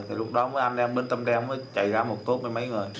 thì lúc đó anh em bên tâm đen mới chạy ra một tốt với mấy người